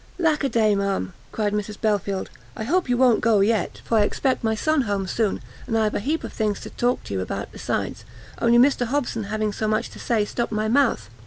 "Lack a day, ma'am," cried Mrs Belfield, "I hope you won't go yet, for I expect my son home soon, and I've a heap of things to talk to you about besides, only Mr Hobson having so much to say stopt my mouth.